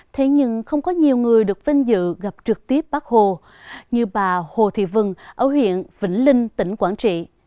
thế nhưng không có nhiều người được vinh dự gặp trực tiếp bác hồ như bà hồ thị vân ở huyện vĩnh linh tỉnh quảng trị